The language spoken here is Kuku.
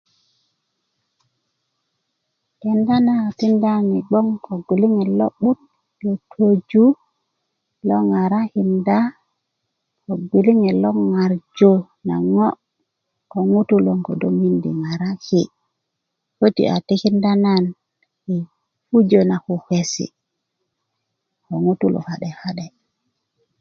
kenda na a tikinda nan i gboŋ ko gbiliŋet lo'but i twöju lo ŋarakinda ko gwiliŋet lo ŋarju na ŋo' ko ŋutu loŋ kodo mindi ŋaraki köti a tikinda nan i pujö na kukesi ko ŋutu ka'de ka'de